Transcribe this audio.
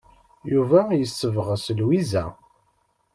Yuba yessebɣes Lwiza.